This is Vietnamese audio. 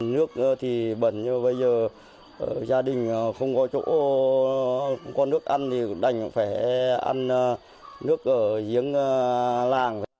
nước thì bẩn như bây giờ gia đình không có chỗ có nước ăn thì đành phải ăn nước ở giếng làng